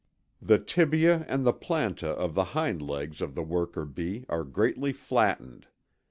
] The tibia and the planta of the hind leg of the worker bee are greatly flattened.